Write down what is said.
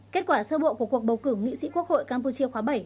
kết quả sơ bộ của cuộc bầu cử nghị sĩ quốc hội campuchia khóa bảy